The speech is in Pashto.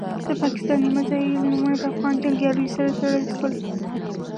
د پاکستاني میزایلو نومونه له افغان جنګیالیو سره تړل شول.